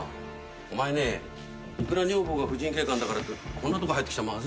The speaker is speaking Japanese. お前ねいくら女房が婦人警官だからってこんなとこ入ってきちゃまずいよ。